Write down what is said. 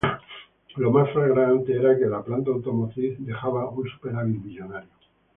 Lo más flagrante era que la planta automotriz dejaba un superávit millonario.